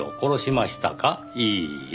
いいえ。